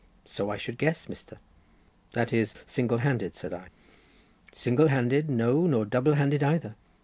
"So I should guess, Mr." "That is single handed," said I. "Single handed, no, nor double handed either.